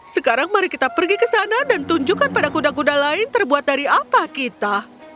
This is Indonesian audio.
sekarang mari kita pergi ke sana dan tunjukkan pada kuda kuda lain terbuat dari apa kita